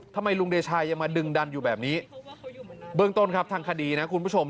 ทำไมลุงเดชายังมาดึงดันอยู่แบบนี้เบื้องต้นครับทางคดีนะคุณผู้ชม